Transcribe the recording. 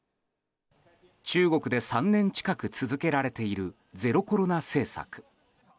中国で３年近く続けられているゼロコロナ政策。